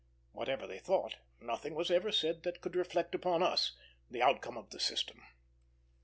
Whatever they thought, nothing was ever said that could reflect upon us, the outcome of the system.